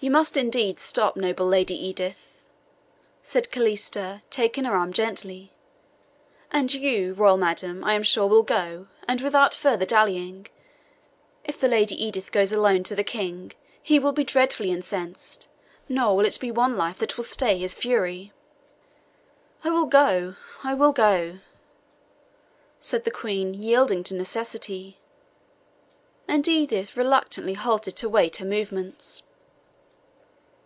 "You must indeed stop, noble Lady Edith," said Calista, taking her arm gently; "and you, royal madam, I am sure, will go, and without further dallying. If the Lady Edith goes alone to the King, he will be dreadfully incensed, nor will it be one life that will stay his fury." "I will go I will go," said the Queen, yielding to necessity; and Edith reluctantly halted to wait her movements.